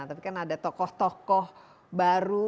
tapi kan ada tokoh tokoh baru